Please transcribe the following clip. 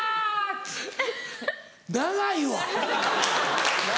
長いわ。